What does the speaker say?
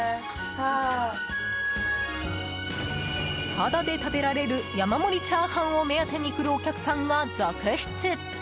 タダで食べられる山盛りチャーハンを目当てに来るお客さんが続出！